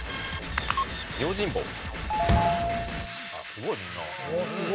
すごいみんな。